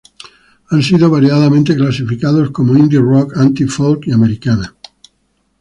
Han sido variadamente clasificados como Indie rock, Anti-folk y Americana.